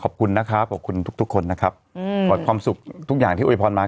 ขอบคุณนะครับขอบคุณทุกทุกคนนะครับหมดความสุขทุกอย่างที่โวยพรมา